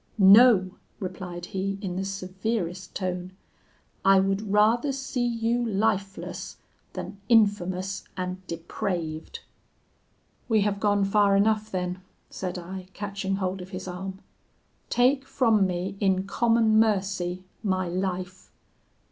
no!' replied he, in the severest tone; 'I would rather see you lifeless, than infamous and depraved.' "'We have gone far enough, then,' said I, catching hold of his arm; 'take from me, in common mercy, my life!